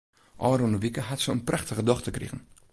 Ofrûne wike hat se in prachtige dochter krigen.